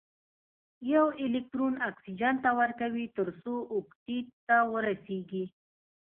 یو الکترون اکسیجن ته ورکوي تر څو اوکتیت ته ورسیږي.